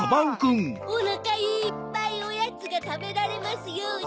おなかいっぱいおやつがたべられますように。